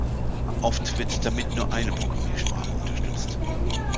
Oft wird damit nur eine Programmiersprache unterstützt.